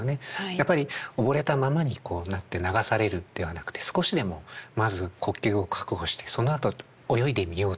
やっぱり溺れたままにこうなって流されるんではなくて少しでもまず呼吸を確保してそのあと泳いでみようと。